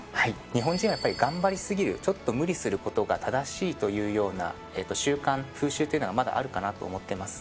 日本人はやっぱり頑張り過ぎるちょっと無理することが正しいというような習慣風習っていうのがまだあるかなと思っています。